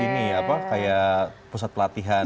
ini apa kayak pusat pelatihan